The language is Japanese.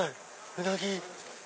うなぎ！